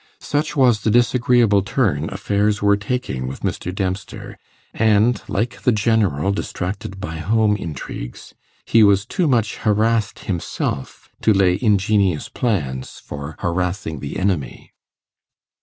Such was the disagreeable turn affairs were taking with Mr. Dempster, and, like the general distracted by home intrigues, he was too much harassed himself to lay ingenious plans for harassing the enemy.